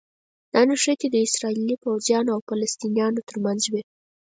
دا نښتې د اسراییلي پوځیانو او فلسطینیانو ترمنځ وي.